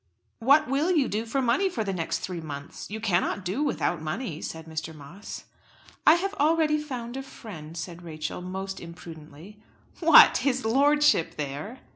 "What will you do for money for the next three months? You cannot do without money," said Mr. Moss. "I have already found a friend," said Rachel most imprudently. "What! his lordship there?"